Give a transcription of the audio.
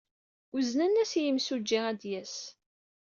Uznen-as i yimsujji ad d-yas.